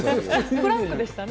フランクでしたね。